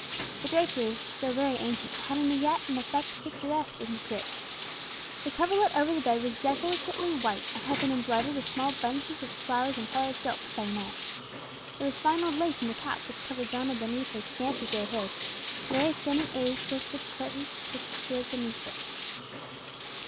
The draperies, though very ancient, had yet an effect picturesque and rich. The coverlet over the bed was delicately white, and had been embroidered with small bunches of flowers in coloured silks by Inez. There was fine old lace on the cap which covered Donna Benita's scanty gray hairs; very thin and aged was the face which appeared beneath it.